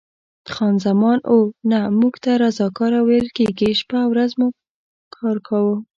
خان زمان: اوه، نه، موږ ته رضاکاره ویل کېږي، شپه او ورځ کار کوو.